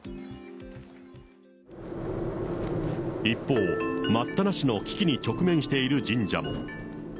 一方、待ったなしの危機に直面している神社も。